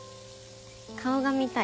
顔が見たい。